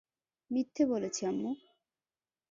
মিথ্যা বলেছি, আম্মু!